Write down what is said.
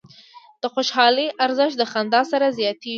د خوشحالۍ ارزښت د خندا سره زیاتېږي.